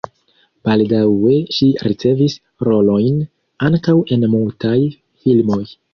Baldaŭe ŝi ricevis rolojn ankaŭ en mutaj filmoj.